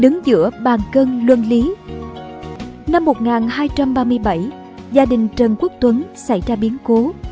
năm một nghìn hai trăm ba mươi bảy gia đình trần quốc tuấn xảy ra biến cố